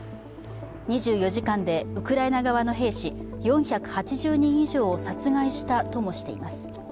２４時間でウクライナ側の兵士４８０人以上を殺害したともしています。